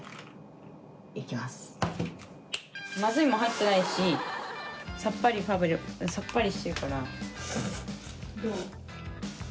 まずいもの入ってないしさっぱりしてるから。